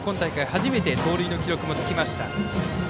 初めて盗塁の記録もつきました。